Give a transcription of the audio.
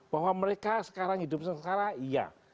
bahwa mereka sekarang hidup sengsara iya